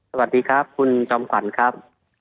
สวัสดีครับคุณจอมขวัญครับ